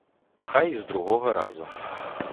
Хай і з другога разу.